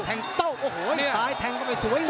ต้องเดินแทงเลย